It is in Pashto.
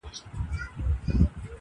بې پروا له شنه اسمانه-